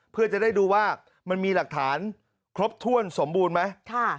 เพื่อจะได้ดูว่ามันมีหลักฐานครบถ้วนสมบูรณ์ไหม